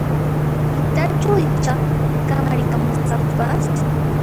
Pitachu icha kamarikamusaqpas?